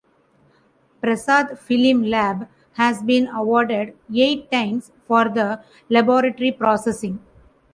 Prasad Film Lab has been awarded eight times for the laboratory processing.